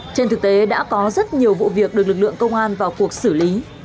trên thực tế đã có rất nhiều vụ việc được lực lượng công an vào cuộc xử lý